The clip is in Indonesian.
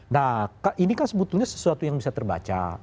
nah ini kan sebetulnya sesuatu yang bisa terbaca